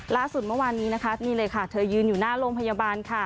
ล่าสุดเมื่ออนี้นะคะ